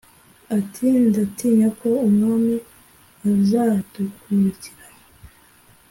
ati"ndatinyako umwami azadukurikira"